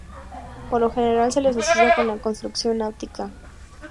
Por lo general se las asocia con la construcción náutica.